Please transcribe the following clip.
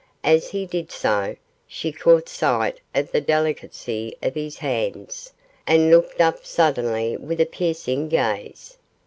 As he did so, she caught sight of the delicacy of his hands, and looked up suddenly with a piercing gaze.